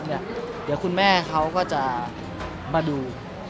เดี๋ยวคุณแม่เขาก็จะมาดู